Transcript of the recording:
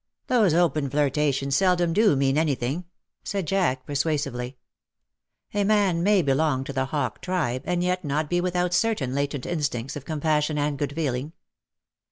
" Those open flirtations seldom do mean any thing/' said Jack J persuasively. s2 260 *^SHE STOOD UP IN BITTER CASE^ A man may belong to the hawk tribe and yet not be without certain latent instincts of compassion and good feeling.